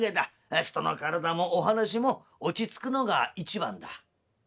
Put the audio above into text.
人の体もお噺もおちつくのが一番だ」。